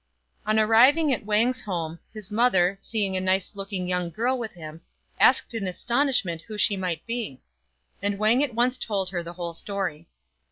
On arriving at War.g's home, his mother, seeing a nice looking young girl with him, asked in astonishment who she might be ; and Wang at once told her the whole story.